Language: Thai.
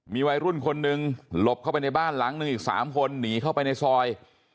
มีวัยรุ่นคนหนึ่งหลบเข้าไปในบ้านหลังหนึ่งอีก๓คนหนีเข้าไปในซอย